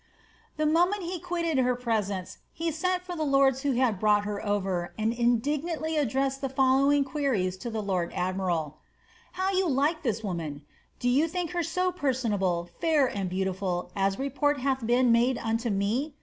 The moment he quitted her presence, he sent for the lords who had hrouglit her over, and indignantly addressed the following queries to the brd admiral :^ How like you this woman ? Do you think her so per sonable, ^r, and beautiful, as report hath been made unto me